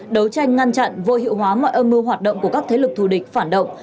đấu tranh ngăn chặn vô hiệu hóa mọi âm mưu hoạt động của các thế lực thù địch phản động